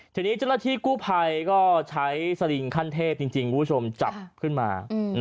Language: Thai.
ทีนี้เจ้าหน้าที่กู้ภัยก็ใช้สลิงขั้นเทพจริงคุณผู้ชมจับขึ้นมา